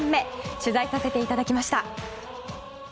取材させていただきました。